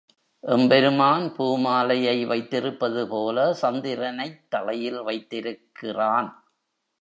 எம்பெருமான் பூமாலையை வைத்திருப்பது போல சந்திரனைத் தலையில் வைத்திருக்கிறான்.